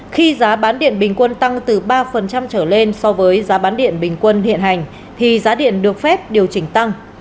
khi giá bán điện bình quân tăng từ ba trở lên so với giá bán điện bình quân hiện hành thì giá điện được phép điều chỉnh tăng